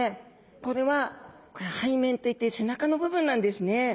これは背面といって背中の部分なんですね。